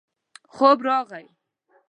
خوب راغی.